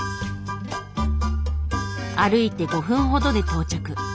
歩いて５分ほどで到着。